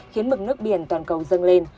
khiến mực nước biển toàn cầu dâng lên